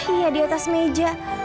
iya di atas meja